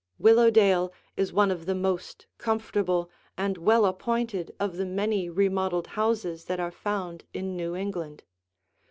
Willowdale is one of the most comfortable and well appointed of the many remodeled houses that are found in New England.